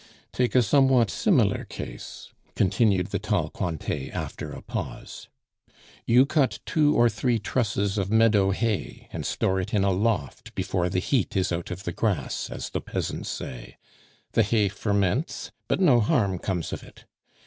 "Take a somewhat similar case," continued the tall Cointet after a pause. "You cut two or three trusses of meadow hay, and store it in a loft before 'the heat is out of the grass,' as the peasants say; the hay ferments, but no harm comes of it.